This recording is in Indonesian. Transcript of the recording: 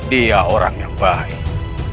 dia orang yang baik